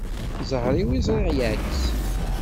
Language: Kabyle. Ẓẓher-iw i ẓriɣ yeɛkes.